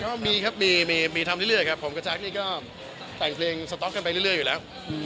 ก็มีครับว่ามีทำไปเรื่อยครับผมกับจ๊ากนี่ก็แปลงเพลงสต๊อคไว้กันเรื่อยอยู่แล้ว